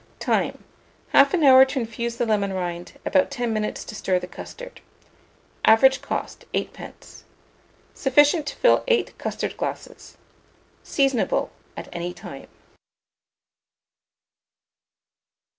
Time. 1/2 hour to infuse the lemon rind, about 10 minutes to stir the custard. Average cost, 8d. Sufficient to fill 8 custard glasses. Seasonable at any time.